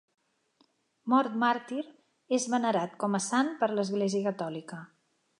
Mort màrtir, és venerat com a sant per l'Església catòlica.